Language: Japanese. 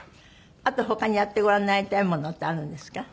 あと他にやってごらんになりたいものってあるんですか？